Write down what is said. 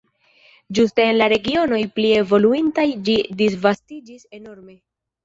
Ĝuste en la regionoj pli evoluintaj ĝi disvastiĝis enorme.